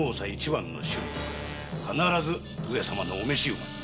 必ず上様の御召馬に。